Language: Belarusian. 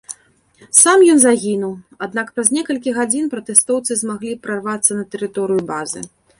Сам ён загінуў, аднак праз некалькі гадзін пратэстоўцы змаглі прарвацца на тэрыторыю базы.